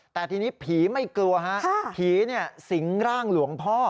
แต่ทีนี้ผีไม่กลัวฮะผีสิงร่างหลวงพ่อ